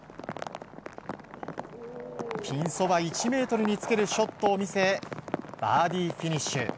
ピンそば１ｍにつけるショットを見せバーディーフィニッシュ。